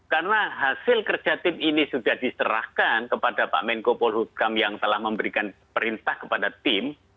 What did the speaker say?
karena hasil kerja tim ini sudah diserahkan kepada pak menko polhutkam yang telah memberikan perintah kepada tim